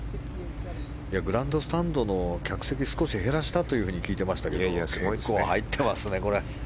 グラウンドスタンドの客席を少し減らしたと聞いていましたけど結構入ってますね、これ。